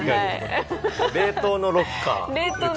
冷凍のロッカー。